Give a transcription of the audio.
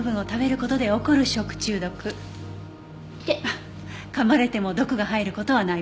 噛まれても毒が入る事はないわ。